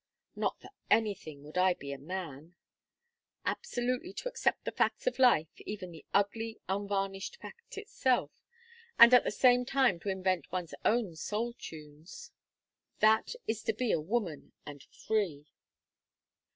Not for anything would I be a man. Absolutely to accept the facts of life, even the ugly unvarnished fact itself, and at the same time to invent one's own soul tunes that is to be a woman and free!"